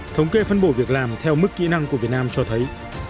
thống kê phân bổ việc làm theo mức kỹ năng của việt nam cho thấy